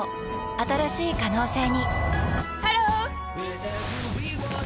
新しい可能性にハロー！